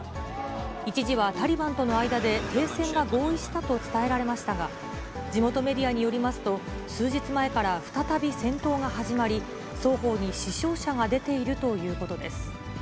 一時はタリバンとの間で、停戦が合意したと伝えられましたが、地元メディアによりますと、数日前から再び戦闘が始まり、双方に死傷者が出ているということです。